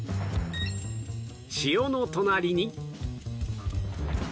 塩の隣に